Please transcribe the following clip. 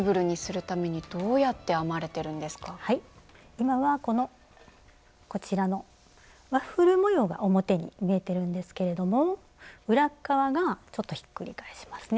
今はこのこちらのワッフル模様が表に見えてるんですけれども裏っかわがちょっとひっくり返しますね